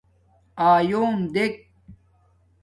آیݸم دیکھ